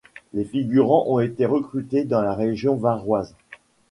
Les figurants ont été recrutés dans la région varoise.